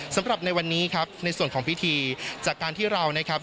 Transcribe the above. สำหรับในวันนี้ครับในส่วนของพิธีจากการที่เรานะครับ